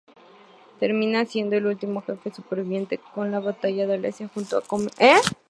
Termina siendo el último jefe superviviente en la batalla de alesia junto a Comio.